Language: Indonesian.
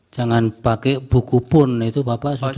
jangan pakai buku pun itu bapak sudah